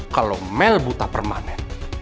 kalau mel buta permanen